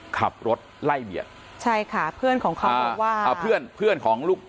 ขับรถไล่เบียดใช่ค่ะเพื่อนของเขาบอกว่าอ่าเพื่อนเพื่อนของลูก